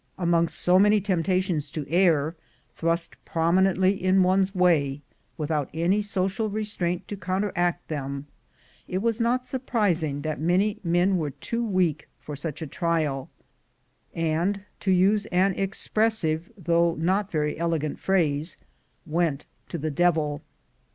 Among so many temptations to err, thrust prom inently in one's way, without any social restraint to counteract them, it was not surprising that many men were too weak for such a trial and, to use an expressive, though not very elegant phrase, went to the devil.